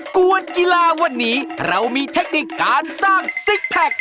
กวนกีฬาวันนี้เรามีเทคนิคการสร้างซิกแพค